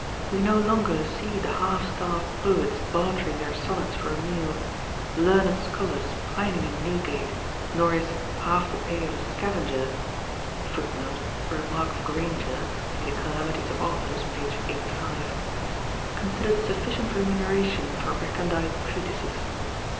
We no longer see the half starved poets bartering their sonnets for a meal; learned scholars pining in Newgate; nor is "half the pay of a scavenger" [Footnote: A remark of Granger vide Calamities of Authors, p. 85.] considered sufficient remuneration for recondite treatises.